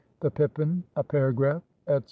_" "The Pippin: a Paragraph." _&c.